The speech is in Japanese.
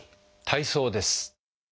体操です。